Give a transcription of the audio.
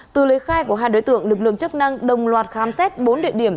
từ lấy khai của hai đối tượng lực lượng chức năng đồng loạt khám xét bốn địa điểm